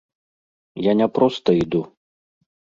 Я не проста іду.